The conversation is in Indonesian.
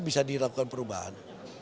bisa dilakukan perubahan